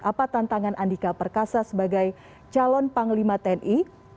apa tantangan andika perkasa sebagai calon panglima tni